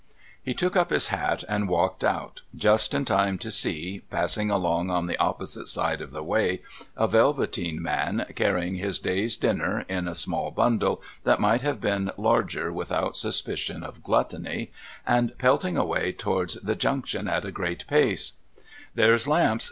He took up his hat and walked out, just in time to see, passhig along on the opposite side of the way, a velveteen man, carrymg his day's dinner in a small bundle that might have been larger 42 2 MUGBY JUNCTION without suspicion of gluttony, and pelting away towards the Junction at a great pace, ' There's Lamps